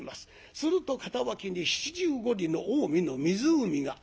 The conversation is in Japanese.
すると片脇に七十五里の近江の湖が。